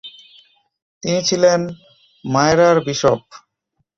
তিনি ছিলেন মায়রার বিশপ।